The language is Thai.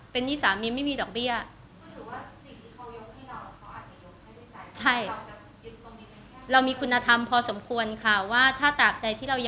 เป็นหนี้สามีไม่มีดอกเบี้ย